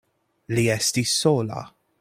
Li estis sola.